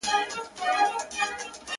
خپل یو شمیر شعرونه